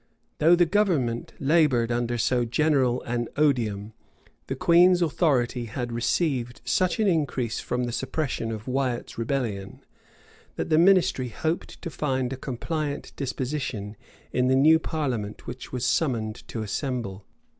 Though the government labored under so general an odium, the queen's authority had received such an increase from the suppression of Wiat's rebellion, that the ministry hoped to find a compliant disposition in the new parliament which was summoned to assemble.